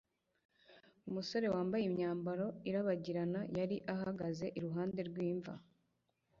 Umusore wambaye imyambaro irabagirana yari ahagaze iruhande rw'imva.